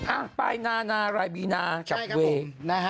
อ้าวไปนารายบีนาจับเวย์